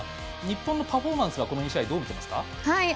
日本のパフォーマンスはこの２試合、どう見ていますか。